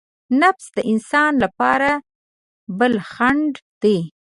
نفس د انسان لپاره بل خڼډ دی.